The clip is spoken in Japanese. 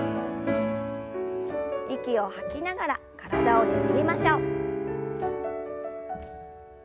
息を吐きながら体をねじりましょう。